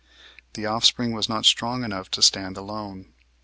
The offspring was not strong enough to stand alone.